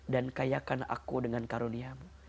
dan kayakan aku dengan karuniamu